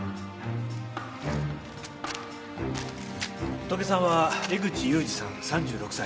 ホトケさんは江口勇二さん３６歳。